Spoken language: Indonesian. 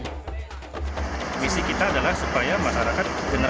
kepada tva indonesia kata kata pemerintah terhadap pemerintah di indonesia